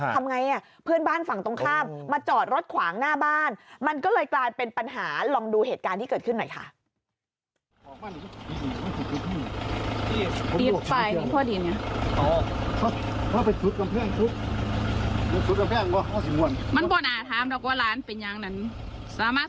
ทำไงเพื่อนบ้านฝั่งตรงข้ามมาจอดรถขวางหน้าบ้านมันก็เลยกลายเป็นปัญหาลองดูเหตุการณ์ที่เกิดขึ้นหน่อยค่ะ